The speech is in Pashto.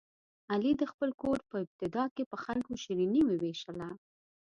علي د خپل کور په ابتدا کې په خلکو شیریني ووېشله.